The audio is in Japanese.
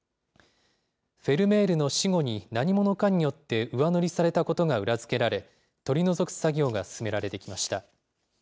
フェルメールの死後に、何者かによって上塗りされたことが裏付けられ、取り除く作業が進められてきました。